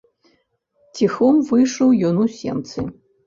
Ціхом выйшаў ён у сенцы.